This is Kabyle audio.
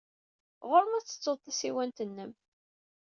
Ɣur-m ad tettuḍ tasiwant-nnem.